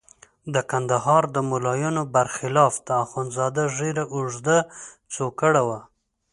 د کندهار د ملایانو برخلاف د اخندزاده ږیره اوږده څوکړه وه.